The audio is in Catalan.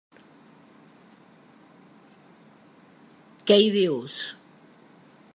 Què hi dius?